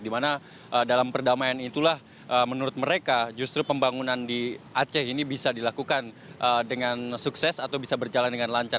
dimana dalam perdamaian itulah menurut mereka justru pembangunan di aceh ini bisa dilakukan dengan sukses atau bisa berjalan dengan lancar